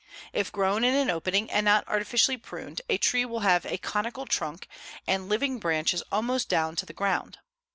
If grown in an opening and not artificially pruned, a tree will have a conical trunk and living branches almost down to the ground.